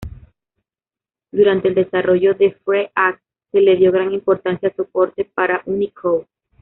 Durante el desarrollo de fre:ac, se le dio gran importancia al soporte para Unicode.